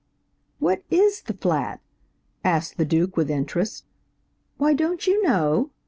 "What is the flat?" asked the Duke, with interest. "Why, don't you know?"